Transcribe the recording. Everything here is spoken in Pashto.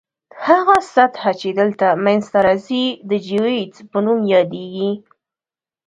هغه سطح چې دلته منځ ته راځي د جیوئید په نوم یادیږي